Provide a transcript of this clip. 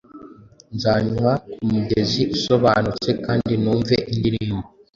Nzanywa kumugezi usobanutse, Kandi numve indirimbo